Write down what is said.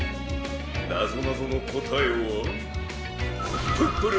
なぞなぞのこたえはプップル